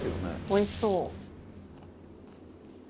おいしそう。